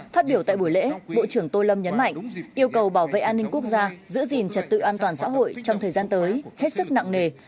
phát biểu tại buổi lễ bộ trưởng tô lâm nhấn mạnh yêu cầu bảo vệ an ninh quốc gia giữ gìn trật tự an toàn xã hội trong thời gian tới hết sức nặng nề